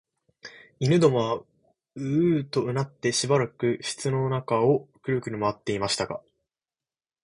犬どもはううとうなってしばらく室の中をくるくる廻っていましたが、